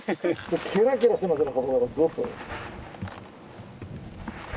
キラキラしてますね。